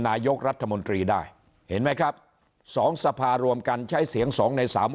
นายกรัฐมนตรีได้เห็นไหมครับสองสภารวมกันใช้เสียง๒ใน๓